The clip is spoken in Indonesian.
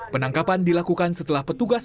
penangkapan dilakukan setelah petugas